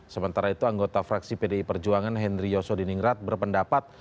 sementara itu anggota fraksi pdi perjuangan henry yosodiningrat berpendapat